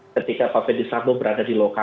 ketika pak fede sabo berada di lokal